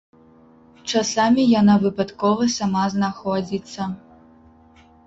Часамі яна выпадкова сама знаходзіцца.